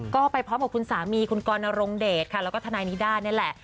ก็ไปพร้อมกับคุณสามีคุณกรนรงเดชค่ะแล้วก็ทนายนิด้านี่แหละ